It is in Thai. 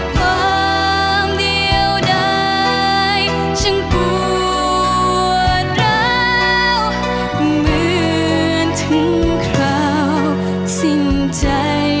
ความเลี่ยวได้ฉันปวดร้าวเหมือนถึงคราวสิ้นใจ